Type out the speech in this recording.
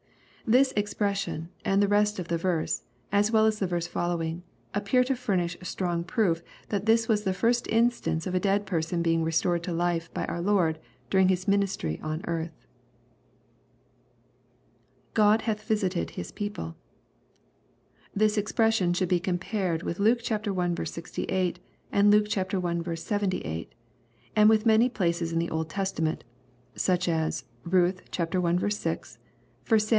] This expression, and the rest of the verse, as well as the verse following, appear to furnish strong proof that this was the first instance of a dead person being restored to life by our Lord, during His ministry on earth. [God hoith visited Sis people,] This expression should be com pared with Luke L 68, and Luke i. 78, and with many places in the Old Testamejit — such as Ruth i. 6, 1 Sam.